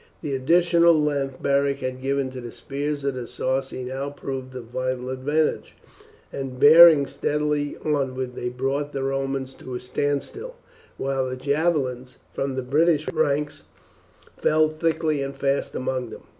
The additional length Beric had given to the spears of the Sarci now proved of vital advantage, and bearing steadily onward they brought the Romans to a standstill, while the javelins from the British rear ranks fell thick and fast among them.